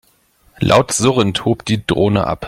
Laut surrend hob die Drohne ab.